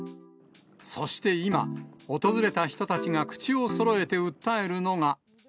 そして今、訪れた人たちが口をそろえて訴えるのが。